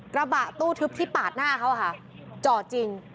กระบะตู้ทึบที่ปาดหน้าเขาค่ะจอดจริง